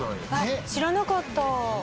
知らなかった。